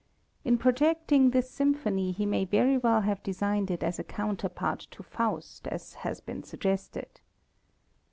In projecting this symphony he may very well have designed it as a counterpart to Faust, as has been suggested.